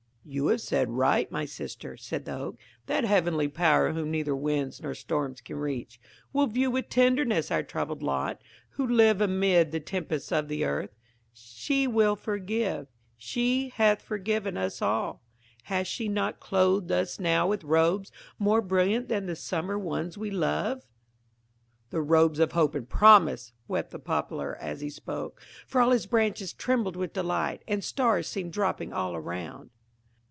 "You have said right, my sister," said the Oak. "That heavenly power, whom neither winds nor storms can reach, will view with tenderness our troubled lot, who live amid the tempests of the earth. She will forgive, she hath forgiven us all. Hath she not clothed us now with robes more brilliant than the summer ones we love?" "The robes of hope and promise," wept the Poplar, as he spoke, for all his branches trembled with delight, and stars seemed dropping all around.